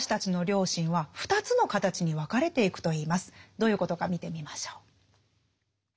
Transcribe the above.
どういうことか見てみましょう。